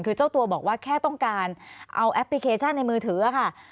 คือเจ้าตัวบอกว่าแค่ต้องการเอาแอปพลิเคชันในมือถือค่ะ